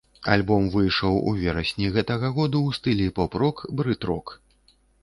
Альбом выйшаў у верасні гэтага году ў стылі поп-рок, брыт-рок.